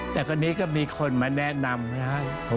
แต่มีคนมาแนะนำนะครับ